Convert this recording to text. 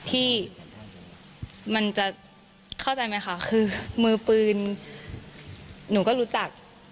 ที่มันจะเข้าใจไหมคะคือมือปืนหนูก็รู้จัก